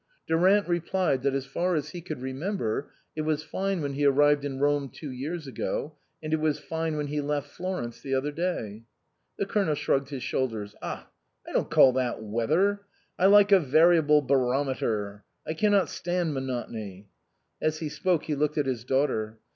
Durant replied that as far as he could re member it was fine when he arrived in Rome two years ago, and it was fine when he left Florence the other day. The Colonel shrugged his shoulders. " Ah, I don't call that weather. I like a variable baro meter. I cannot stand monotony." As he spoke he looked at his daughter.